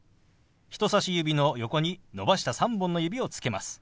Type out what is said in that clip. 人さし指の横に伸ばした３本の指をつけます。